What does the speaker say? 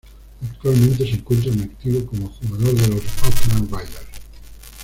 Actualmente se encuentra en activo como jugador de los Oakland Raiders.